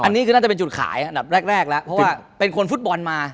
อันนี้คือน่าจะเป็นจุดขายอันดับแรกแล้วเพราะว่าเป็นคนฟุตบอลมา